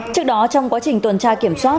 trước đó trong quá trình tuần tra kiểm tra